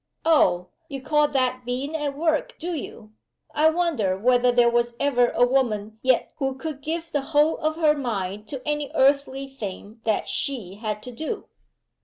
"Oh! you call that being at work, do you? I wonder whether there was ever a woman yet who could give the whole of her mind to any earthly thing that she had to do?"